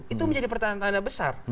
itu menjadi pertanyaan tanda besar